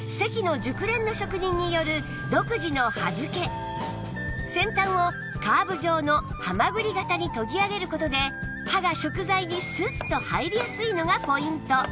刃物の町関の先端をカーブ状のハマグリ型に研ぎ上げる事で刃が食材にスッと入りやすいのがポイント